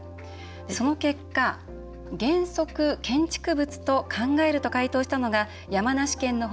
その結果、原則建築物と考えると回答したのが山梨県の他